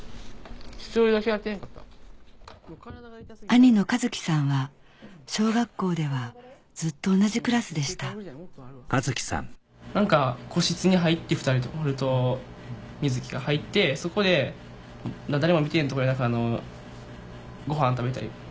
兄の一樹さんは小学校ではずっと同じクラスでした何か個室に入って２人とも俺とみずきが入ってそこで誰も見てへんとこでごはん食べたり。